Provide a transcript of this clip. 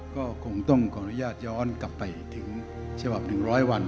ก็คงต้องขออนุญาตย้อนกลับไปถึงฉบับ๑๐๐วัน